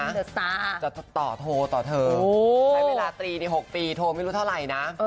ตั้มเดอะสาจะต่อโทรต่อเธอใช้เวลาตรีนี่๖ปีโทรไม่รู้เท่าไหร่นะ